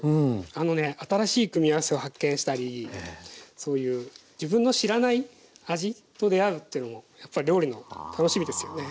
あのね新しい組み合わせを発見したりそういう自分の知らない味と出合うってのもやっぱり料理の楽しみですよね。